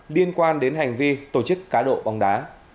liên quan đến hành vi tổ chức cá độ bóng đá